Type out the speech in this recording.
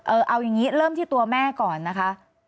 เอาอย่างนี้เริ่มที่ตัวแม่ก่อนนะคะ